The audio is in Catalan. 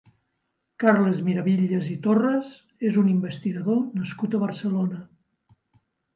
Carles Miravitlles i Torras és un investigador nascut a Barcelona.